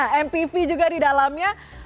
nah mpv juga di dalamnya